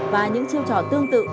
và những chiêu trò tương tự